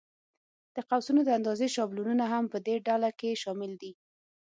د قوسونو د اندازې کولو شابلونونه هم په دې ډله کې شامل دي.